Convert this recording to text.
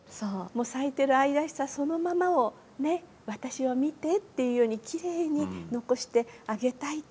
もう咲いてる愛らしさそのままをねっ私を見てっていうようにきれいに残してあげたいっていう。